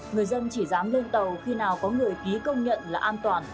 người dân chỉ dám lên tàu khi nào có người ký công nhận là an toàn